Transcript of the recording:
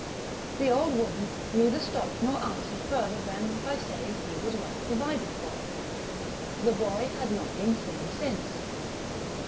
The old woman neither stopped nor answered further than by saying he was well provided for. The boy had not been seen since.